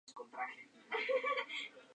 Su apodo es La Roca.